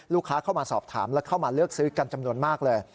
ลูกค้าเข้ามาสอบถามและเข้ามาเลือกซื้อกันจำนวนมากเลย